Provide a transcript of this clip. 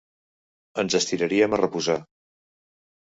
Ens estiraríem a reposar.